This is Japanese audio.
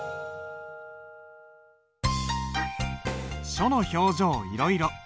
「書の表情いろいろ」。